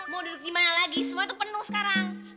mau duduk gimana lagi semua itu penuh sekarang